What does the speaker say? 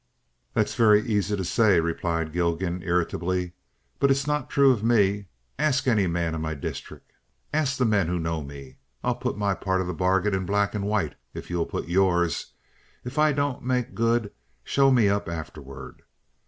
"That's very easy to say," replied Gilgan, irritably, "but it's not true of me. Ask any man in my district. Ask the men who know me. I'll put my part of the bargain in black and white if you'll put yours. If I don't make good, show me up afterward.